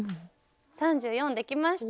３４できました！